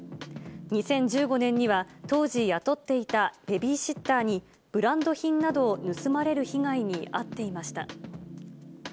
２０１５年には当時、雇っていたベビーシッターに、ブランド品などを盗まれる被害に遭っていました。